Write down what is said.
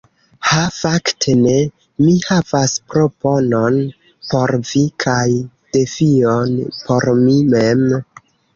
Ha fakte ne! Mi havas proponon por vi, kaj defion por mi mem.